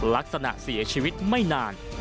ลักษณะเสียชีวิตไม่นาน